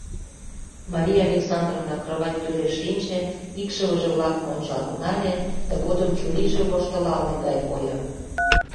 Мария Александровна кровать тӱреш шинче, икшывыже-влакым ончал нале, тыгодым чурийже воштылалме гай койо.